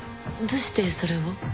どうしてそれを？